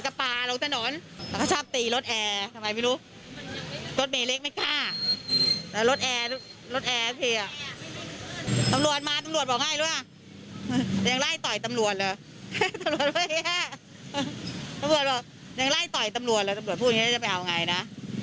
ตำรวจบอกยังไล่ต่อยตำรวจเหรอตำรวจพูดอย่างนี้จะไปเอาอย่างไรนะ